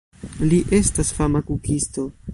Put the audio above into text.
Li estas fama kukisto.